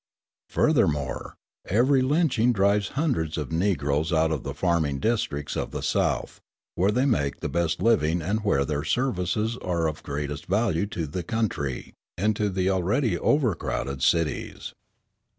Furthermore, every lynching drives hundreds of Negroes out of the farming districts of the South, where they make the best living and where their services are of greatest value to the country, into the already over crowded cities.